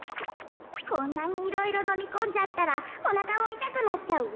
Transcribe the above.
こんなにいろいろのみこんじゃったらおなかもいたくなっちゃうわ。